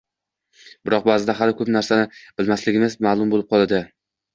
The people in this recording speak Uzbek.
Biroq ba’zida hali ko‘p narsani bilmasligimiz ma’lum bo‘lib qoladi